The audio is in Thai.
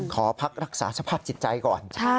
ขอพักรักษาสภาพจิตใจก่อน